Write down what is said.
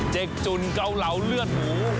กจุ่นเกาเหลาเลือดหมู